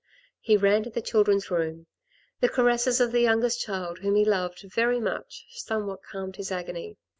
He ran to the children's room. The caresses of the youngest child, whom he loved very much, somewhat calmed his agony.